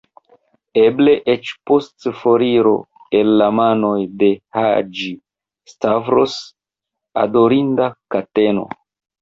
Eble eĉ, post foriro el la manoj de Haĝi-Stavros, adorinda kateno!